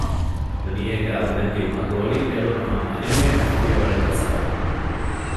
ދުނިޔޭގައި އުޅެންވީ މަގު އޮޅި އެޅުނު ހަމަ އެންމެ ކަތިފިޔަވަޅެއްގެ ސަބަބުން